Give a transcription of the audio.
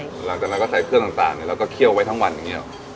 หลังจากนั้นก็ใส่เครื่องต่างแล้วก็เคี่ยวไว้ทั้งวันอย่างนี้หรอ